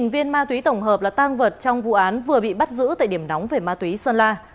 một mươi viên ma túy tổng hợp là tang vật trong vụ án vừa bị bắt giữ tại điểm nóng về ma túy sơn la